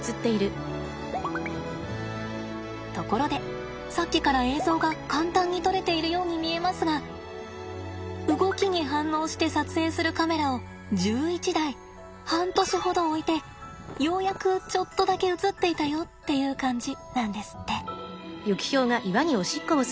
ところでさっきから映像が簡単に撮れているように見えますが動きに反応して撮影するカメラを１１台半年ほど置いてようやくちょっとだけ映っていたよっていう感じなんですって。